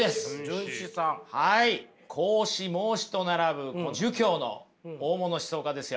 孔子孟子と並ぶ儒教の大物思想家ですよ。